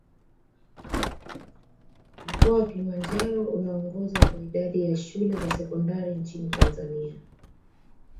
Mkoa wa Kilimanjaro unaongoza kwa idadi ya shule za sekondari nchini Tanzania